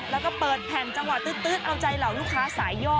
แล้วก็เปิดแผ่นจังหวะตื๊ดเอาใจเหล่าลูกค้าสายย่อ